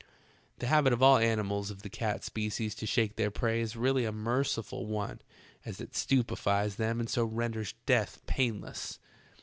The habit of all animals of the eat speeies to shake their prey is really a mereiful one, as it stupefies them and so renders death painless.